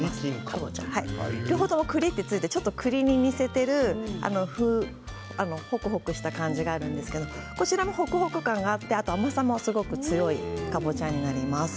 両方とも栗とついてちょっと栗に似せているほくほくした感じがあるんですけどこちらもほくほく感があって甘さもすごく強いかぼちゃになります。